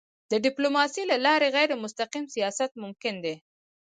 د ډيپلوماسی له لارې غیرمستقیم سیاست ممکن دی.